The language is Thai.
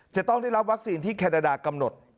จะต้องได้รับวัคซีนที่แคนาดากำหนด